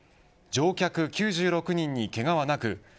乗客９６人にけがはなく